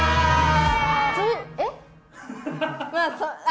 えっ？